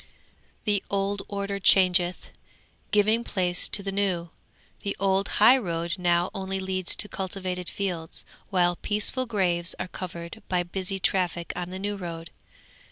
'The old order changeth, giving place to the new. The old high road now only leads to cultivated fields, while peaceful graves are covered by busy traffic on the new road.